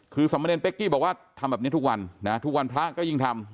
คือสมเนรเป๊กกี้บอกว่าทำแบบนี้ทุกวันนะทุกวันพระก็ยิ่งทำ